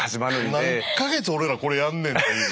何か月俺らこれやんねんっていう。